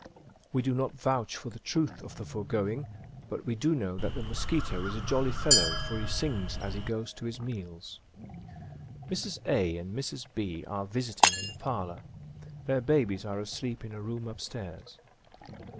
We do not vouch for the truth of the foregoing, but we do know that the mosquito is a jolly fellow, for he sings as he goes to his meals. Mrs. A. and Mrs. B. are visiting in the parlor. Their babies are asleep in a room up stairs.